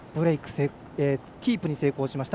キープに成功しました。